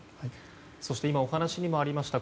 そして、今お話にもありました